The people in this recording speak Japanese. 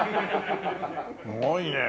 すごいね。